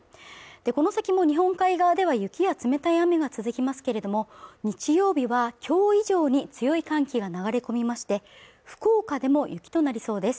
この先も日本海側では雪や冷たい雨が続きますけれども日曜日はきょう以上に強い寒気が流れ込みまして福岡でも雪となりそうです